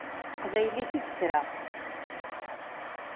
S teqbaylit i d-kkreɣ.